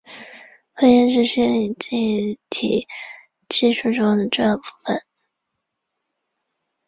分页是虚拟记忆体技术中的重要部份。